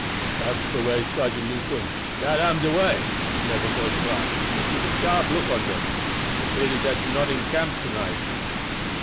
"Dat's the way, Sergeant Newson, dat am de way. Neber close your eye, but keep a sharp look on dem. It's a pity dat you not in camp to night."